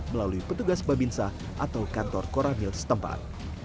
melalui petugas babinsa atau kantor koramil setempat